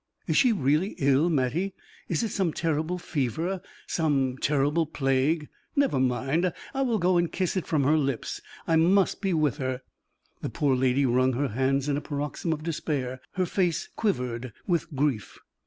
"Is she really ill, Mattie? Is it some terrible fever some terrible plague? Never mind I will go and kiss it from her lips; I must be with her." The poor lady wrung her hands in a paroxysm of despair; her face quivered with grief.